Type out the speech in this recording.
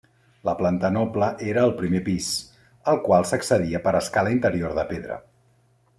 La planta noble, era al primer pis, al qual s'accedia per escala interior de pedra.